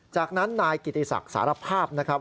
จากนั้นนายกิติศักดิ์สารภาพนะครับ